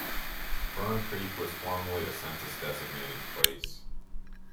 Fern Creek was formerly a census-designated place.